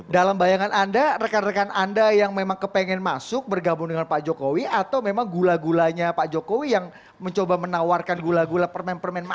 dalam bayangan anda rekan rekan anda yang memang kepengen masuk bergabung dengan pak jokowi atau memang gula gulanya pak jokowi yang mencoba menawarkan gula gula permen permen